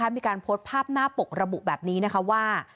มีการโพสต์ภาพหน้าปกระบุแบบนี้นะคะว่า